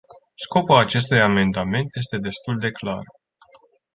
Scopul acestui amendament este destul de clar.